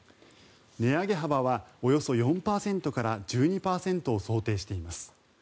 値上げ幅はおよそ４％から１２％を想定しています。